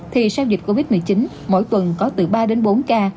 thì sau dịch covid một mươi chín mỗi tuần có từ ba đến bốn ca